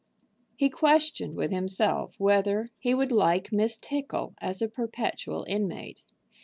He questioned with himself whether he would like Miss Tickle as a perpetual inmate.